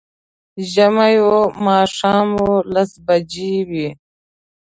ژمی و، ماښام و، لس بجې وې